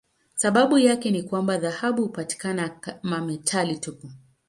Sababu yake ni kwamba dhahabu hupatikana kama metali tupu.